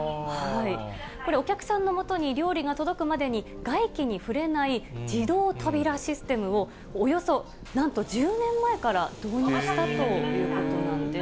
これ、お客さんのもとに料理が届くまでに、外気に触れない自動扉システムを、およそなんと１０年前から導入したということなんです。